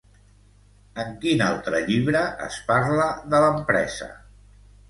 En quin altre llibre es parla de l'empresa?